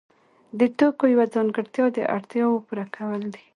د توکو یوه ځانګړتیا د اړتیاوو پوره کول دي.